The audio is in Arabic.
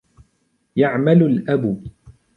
يعمل الأب.